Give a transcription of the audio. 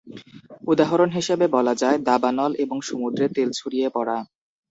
উদাহরণ হিসেবে বলা যায়, দাবানল এবং সমুদ্রে তেল ছড়িয়ে পড়া।